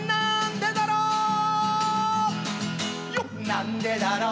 なんでだろう